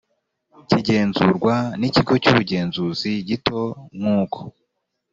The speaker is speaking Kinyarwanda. kigenzurwa n ikigo cy ubugenzuzi gito nk uko